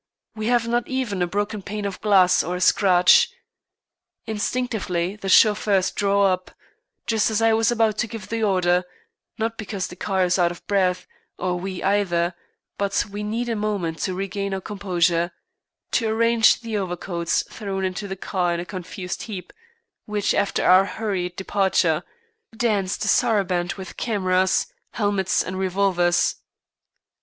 We have not even a broken pane of glass or a scratch. Instinctively the chauffeurs draw up, just as I was about to give the order, not because the car is out of breath, or we either, but we need a moment to regain our composure, to arrange the overcoats thrown into the car in a confused heap, which, after our hurried departure, danced a saraband with cameras, helmets, and revolvers.